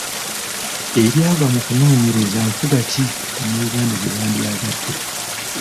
Ebyava mu kunoonyereza nfuga ki bannayuganda gye bandyagadde.